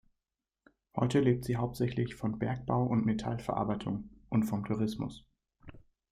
Heute lebt sie hauptsächlich von Bergbau und Metallverarbeitung und vom Tourismus.